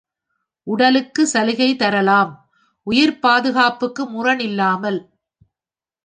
உடலுக்குச் சலுகை தரலாம், உயிர்ப் பாதுகாப்புக்கு முரண் இல்லாமல்!